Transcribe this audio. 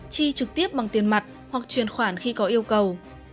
chi trực tiếp bằng tiền mặt hoặc truyền khoản khi có yêu cầu